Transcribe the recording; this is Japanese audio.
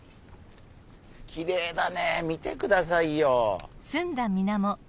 きれいだね見てくださいよ。